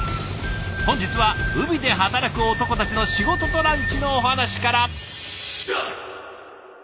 本日は海で働く男たちの仕事とランチのお話から。